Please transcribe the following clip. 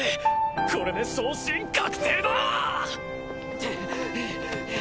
これで昇進確定だ！